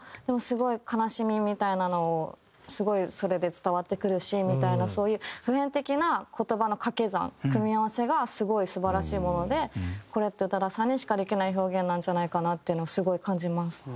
でもすごい悲しみみたいなのをすごいそれで伝わってくるしみたいなそういう普遍的な言葉の掛け算組み合わせがすごい素晴らしいものでこれって宇多田さんにしかできない表現なんじゃないかなっていうのをすごい感じます。